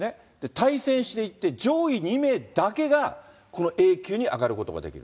対戦していって、上位２名だけがこのＡ級に上がることができる。